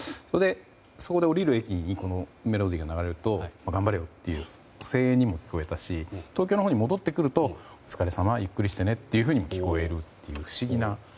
そこで降りる駅でこのメロディーが流れると頑張れよという声援にも聞こえたし東京のほうに戻ってくるとお疲れさまゆっくりしてねっていうふうにも聞ける不思議な。